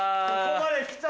ここまで来た。